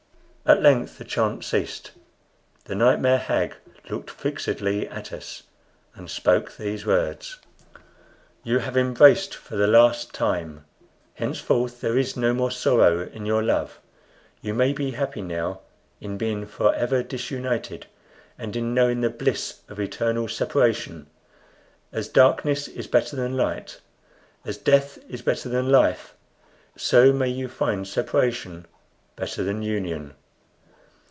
At length the chant ceased. The nightmare hag looked fixedly at us, and spoke these words: "You have embraced for the last time. Henceforth there is no more sorrow in your love. You may be happy now in being forever disunited, and in knowing the bliss of eternal separation. As darkness is better than light, as death is better than life, so may you find separation better than union."